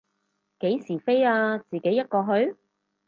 幾時飛啊，自己一個去？